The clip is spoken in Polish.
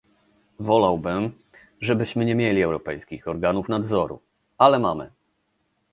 Wolałbym, żebyśmy nie mieli europejskich organów nadzoru, ale mamy